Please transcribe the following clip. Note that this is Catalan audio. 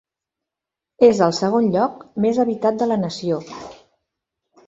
És el segon lloc més habitat de la nació.